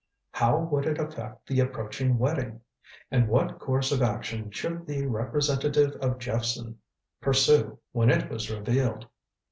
How would it affect the approaching wedding? And what course of action should the representative of Jephson pursue when it was revealed?